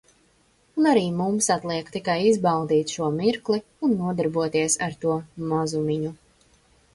Un arī mums atliek tikai izbaudīt šo mirkli un nodarboties ar to mazumiņu.